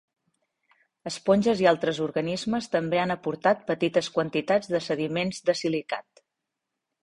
Esponges i altres organismes també han aportat petites quantitats de sediments de silicat.